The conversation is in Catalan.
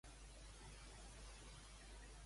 Com es representaven les divinitats en aquestes figures?